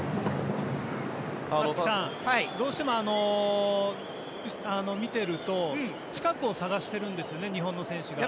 松木さんどうしても見ていると近くを探しているんですね日本の選手が。